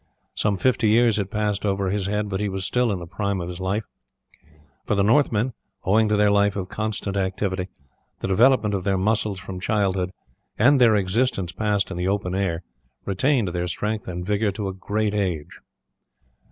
Some fifty years had passed over his head, but he was still in the prime of his life; for the Northmen, owing to their life of constant activity, the development of their muscles from childhood, and their existence passed in the open air, retained their strength and vigour to a great age.